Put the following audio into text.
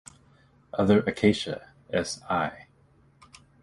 Other Acacia s.l.